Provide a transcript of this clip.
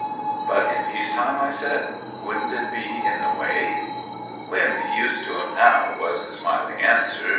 "But in peace time?" I said. "Wouldn't it be in the way.'^" "We'm used to 'em now," was the smiling answer.